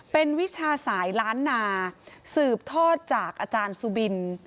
เป็นวิชาสายล้านนาสืบทอดจากอาจารย์สุบิน